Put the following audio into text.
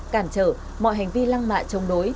cản trở mọi hành vi lăng mạ trông đối